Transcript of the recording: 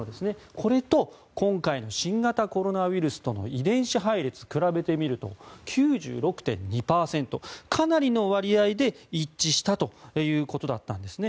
これと今回の新型コロナウイルスとの遺伝子配列を比べてみると９６．２％かなりの割合で一致したということだったんですね。